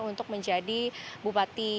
untuk menjadi bupati